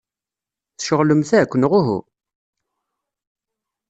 Tceɣlemt akk, neɣ uhu?